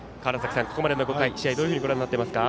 ここまでの試合どういうふうにご覧になっていますか？